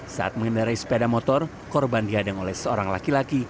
saat mengendarai sepeda motor korban dihadang oleh seorang laki laki